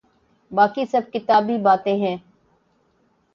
باقی سب کتابی باتیں ہیں۔